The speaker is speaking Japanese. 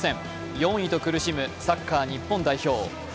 ４位と苦しむサッカー日本代表。